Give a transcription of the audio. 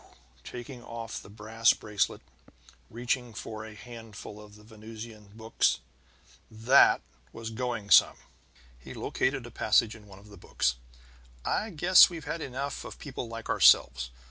"Phew!" taking off the brass bracelets and reaching for a handful of the Venusian books. "That was going some!" He located a passage in one of the books. "I guess we've had enough of people like ourselves.